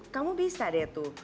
kamu bisa deh tuh